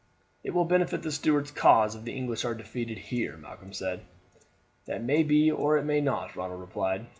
"It will benefit the Stuarts' cause if the English are defeated here," Malcolm said. "That may be or it may not," Ronald replied.